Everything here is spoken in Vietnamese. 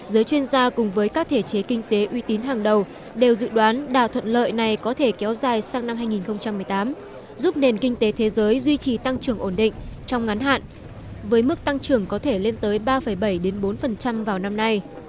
giới chuyên gia cùng với các thể chế kinh tế uy tín hàng đầu đều dự đoán đào thuận lợi này có thể kéo dài sang năm hai nghìn một mươi tám giúp nền kinh tế thế giới duy trì tăng trưởng ổn định trong ngắn hạn với mức tăng trưởng có thể lên tới ba bảy bốn vào năm nay